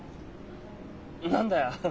何だよ？